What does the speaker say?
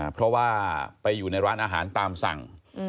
เพราะว่าไปอยู่ในร้านอาหารตามสั่ง